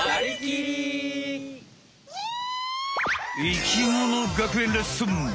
生きもの学園レッスン！